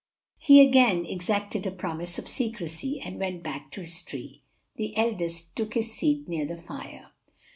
He again exacted a promise of secrecy and went back to his tree. The eldest took his seat near the fire.